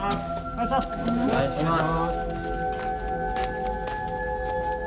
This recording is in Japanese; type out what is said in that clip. お願いします。